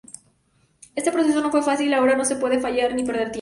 Este proceso no fue fácil, ahora no se podía fallar ni perder tiempo.